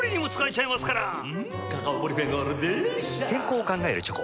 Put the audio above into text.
健康を考えるチョコ。